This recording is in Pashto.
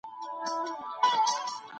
کعبه ورانول اسانه دي.